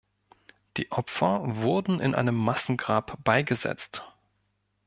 Die Opfer wurden in einem Massengrab beigesetzt.